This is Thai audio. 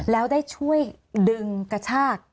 แล้วได้ช่วยดึงกระชาก